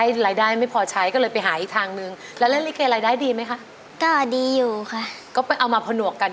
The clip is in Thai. ทีนี้นอกจากเปิดหมวกแล้วน้องยังหาเงินด้วยวิธีอื่นอีกมั้ย